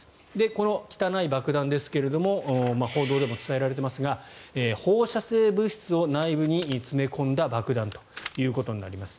この汚い爆弾ですが報道でも伝えられていますが放射性物質を内部に詰め込んだ爆弾ということになります。